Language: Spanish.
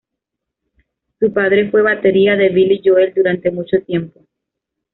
Su padre fue batería de Billy Joel durante mucho tiempo.